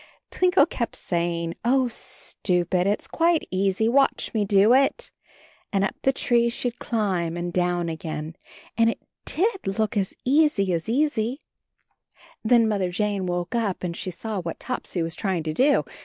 Twinkle kept saying, "Oh stupid, it's quite easy, watch me do it." And up the ANB HIS KITTEN TOPSY 67 tree she'd climb and down again, and it did look as easy, as easy. Then Mother Jane woke up and she saw what Topsy was trying to do.